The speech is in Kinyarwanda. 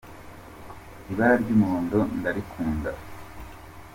Ibara ryumuhondo ndarikunda.